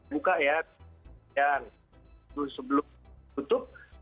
buka ya dan sebelum tutup